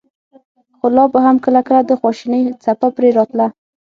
خو لا به هم کله کله د خواشينۍڅپه پرې راتله.